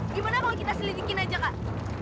gimana kalau kita selidikin aja kak